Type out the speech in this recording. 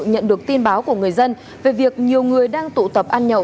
nhận được tin báo của người dân về việc nhiều người đang tụ tập ăn nhậu